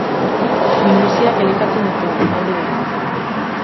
Minbiziak elikatzen ditu, aldi berean.